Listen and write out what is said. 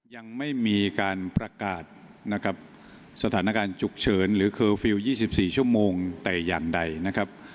ยังไม่มีการประกาศนะครับสถานการณ์ฉุกเฉินหรือเคอร์ฟิลล์๒๔ชั่วโมงแต่อย่างใดนะครับ